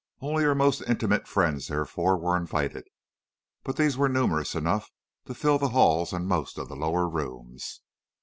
Only her most intimate friends, therefore, were invited, but these were numerous enough to fill the halls and most of the lower rooms.